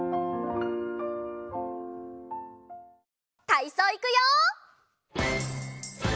たいそういくよ！